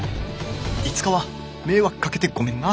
いつかは明惑かけてごめんな。